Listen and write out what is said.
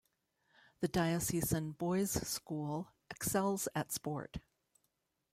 The Diocesan Boys' School excels at sport.